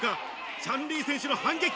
チャン・リー選手の反撃か？